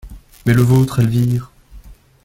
Mais le vôtre, Elvire?